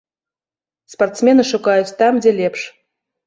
Спартсмены шукаюць там, дзе лепш.